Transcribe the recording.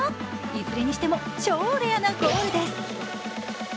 いずれにしても超レアなゴールです。